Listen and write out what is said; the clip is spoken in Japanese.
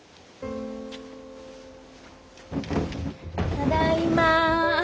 ただいま。